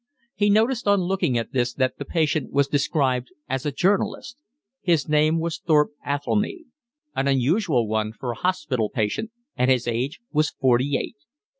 He noticed on looking at this that the patient was described as a journalist: his name was Thorpe Athelny, an unusual one for a hospital patient, and his age was forty eight.